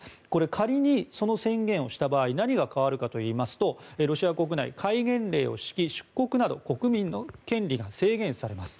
仮にその宣言をした場合何が変わるかというとロシア国内戒厳令を敷き、出国など国民の権利が制限されます。